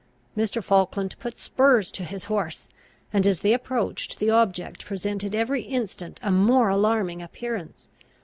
Mr. Falkland put spurs to his horse; and, as they approached, the object presented every instant a more alarming appearance.